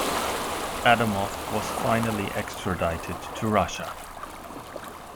Adamov was finally extradited to Russia.